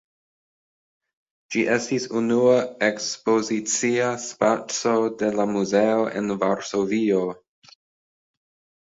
Ĝi estis unua ekspozicia spaco de la muzeo en Varsovio.